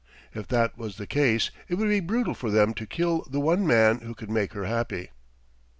If that was the case, it would be brutal for them to kill the one man who could make her happy.